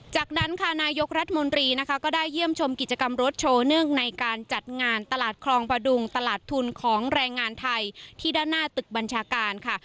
จากนั้นค่ะนายกรัฐมนตรีนะคะก็ได้เยี่ยมชมกิจกรรมรถโชว์เนื่องในการจัดงานตลาดคลองประดุงตลาดทุนของแรงงานไทยที่ด้านหน้าตึกบัญชาการค่ะ